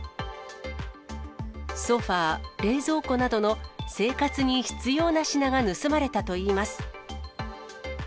ソファ、冷蔵庫などの生活に必要な品が盗まれたといいます。